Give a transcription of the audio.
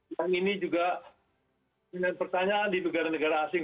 yang ini juga pertanyaan di negara negara asing